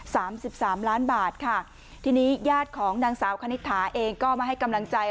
สามสิบสามล้านบาทค่ะทีนี้ญาติของนางสาวคณิตถาเองก็มาให้กำลังใจ